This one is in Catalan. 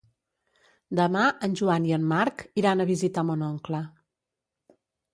Demà en Joan i en Marc iran a visitar mon oncle.